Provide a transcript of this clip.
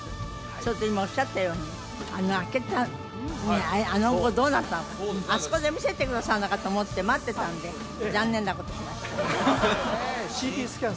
それと今おっしゃったようにあの開けたあの後どうなったのかあそこで見せてくださるのかと思って待ってたんで残念なことしましたＣＴスキャン